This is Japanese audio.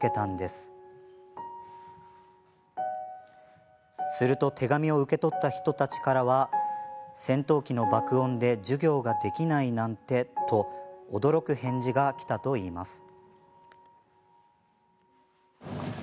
すると手紙を受け取った人たちからは「戦闘機の爆音で授業ができないなんて」と驚く返事がきたといいます。